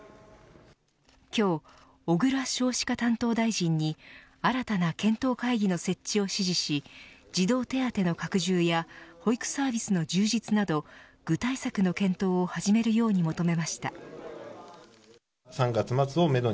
今日、小倉少子化担当大臣に新たな検討会議の設置を指示し児童手当の拡充や保育サービスの充実など具体策の検討を始めるように求めました。